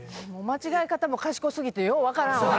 間違え方も賢過ぎてよう分からんわ。